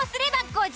５０！